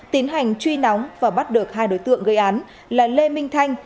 tiến hành truy nóng và bắt được hai đối tượng gây án là lê minh thanh